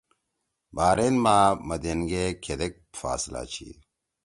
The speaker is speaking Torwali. بحرین ما مدین گے کھیدیک فاصلہ چھی؟